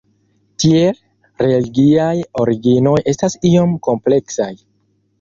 Tiel, religiaj originoj estas iom kompleksaj.